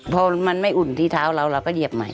พอมันไม่อุ่นที่เท้าเราเราก็เหยียบใหม่